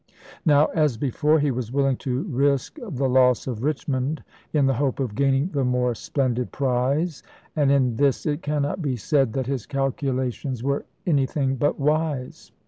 Now, as before, he was willing to risk the loss of Richmond in the hope of gaining the more splendid prize, and in this it cannot be said that his calculations were anything but wise.